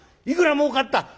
「いくら儲かった？」。